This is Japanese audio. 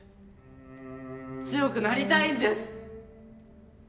強くなりたいんです。